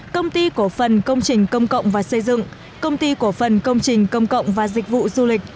công ty cổ phần công trình công cộng và xây dựng công ty cổ phần công trình công cộng và dịch vụ du lịch